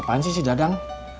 ngapain sih si dadang